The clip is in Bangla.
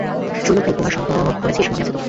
শৈল ভাই, কুমারসম্ভব পড়েছিস, মনে আছে তো?